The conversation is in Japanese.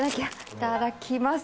いただきます。